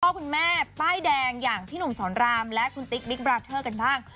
คุณแม่ป้ายแดงอย่างพี่หนุ่มสอนรามและคุณติ๊กบิ๊กบราเทอร์กันบ้าง